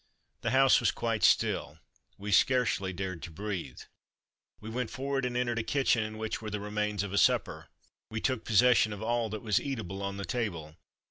The house was quite still; we scarcely dared to breathe. We went forward and entered a kitchen in which were the remains of a supper. We took possession of all that was eatable on the table.